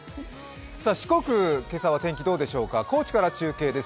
四国、今朝の天気はどうでしょうか、高知から中継です。